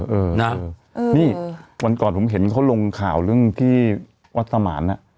เออนะนี่วันก่อนผมเห็นเขาลงข่าวเรื่องที่วัดสมาน